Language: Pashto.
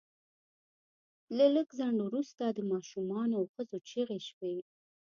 له لږ ځنډ وروسته د ماشومانو او ښځو چیغې شوې